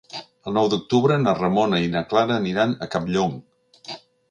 El nou d'octubre na Ramona i na Clara aniran a Campllong.